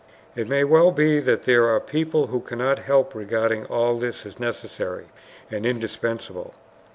It may well be that there are people who cannot help regarding all this as necessary and indispensable.